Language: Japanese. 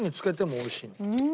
おいしい！